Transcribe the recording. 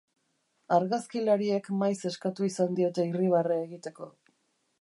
Argazkilariek maiz eskatu izan diote irribarre egiteko.